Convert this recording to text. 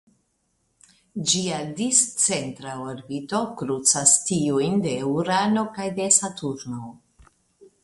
Ĝia discentra orbito krucas tiujn de Urano kaj de Saturno.